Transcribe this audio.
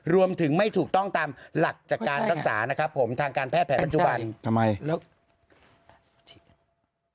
รวมถึงไม่ถูกต้องตามหลักจากการรักษาทางการแพทย์ใหญ่